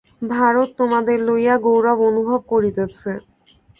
ভারত তোমাদের লইয়া গৌরব অনুভব করিতেছে।